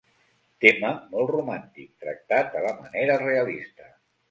Tema molt romàntic, tractat a la manera realista.